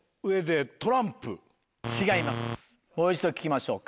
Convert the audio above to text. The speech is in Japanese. もう一度聞きましょうか。